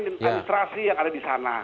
dan administrasi yang ada di sana